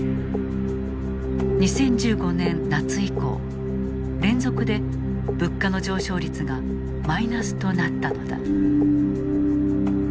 ２０１５年夏以降連続で物価の上昇率がマイナスとなったのだ。